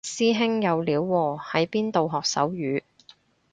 師兄有料喎喺邊度學手語